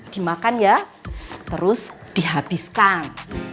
dimakan ya terus dihabiskan